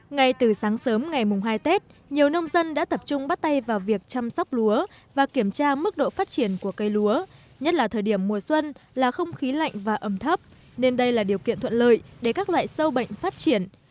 ngay từ sáng sớm ngày mùng hai tết nhiều nông dân đã tập trung bắt tay vào việc chăm sóc lúa và kiểm tra mức độ phát triển của cây lúa nhất là thời điểm mùa xuân là không khí lạnh và ẩm thấp nên đây là điều kiện thuận lợi để các loại sâu bệnh phát triển